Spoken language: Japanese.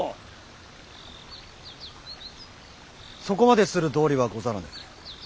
そこまでする道理はござらぬ。